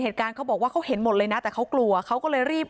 เหตุการณ์เขาบอกว่าเขาเห็นหมดเลยนะแต่เขากลัวเขาก็เลยรีบ